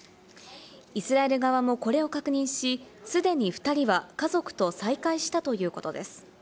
イスラエル側もこれを確認し、既に２人は家族と再会したということです。